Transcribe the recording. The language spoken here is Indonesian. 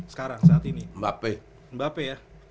sekarang saat ini mba pe